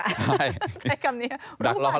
ใจคำนี้รู้มากจริง